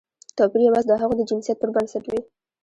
توپیر یوازې د هغوی د جنسیت پر بنسټ وي.